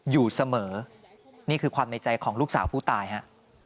อยู่เสมอนี่คือความในใจของลูกสาวผู้ตายฮะ